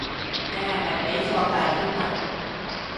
你係咪畀錯第篇文